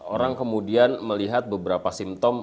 orang kemudian melihat beberapa simptom